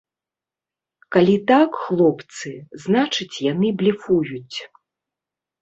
Калі так, хлопцы, значыць, яны блефуюць.